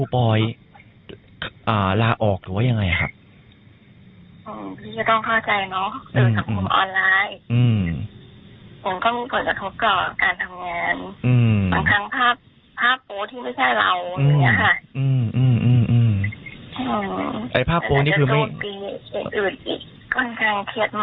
มันค่อนข้างเทียดมาก